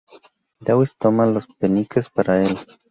Dawes toma los peniques para el.